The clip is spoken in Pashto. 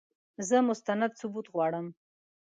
زه مستند ثبوت غواړم !